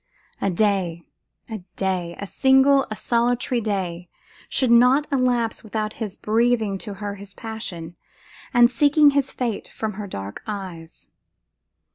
a day, a day, a single, a solitary day, should not elapse without his breathing to her his passion, and seeking his fate from her dark eyes.